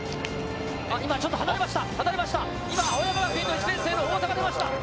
今ちょっと離れました、離れました。